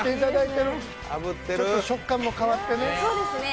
ちょっと食感も変わってね？